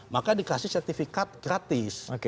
maka dikasih sertifikat gratis